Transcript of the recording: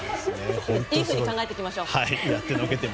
いいほうに考えていきましょう。